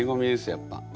やっぱ。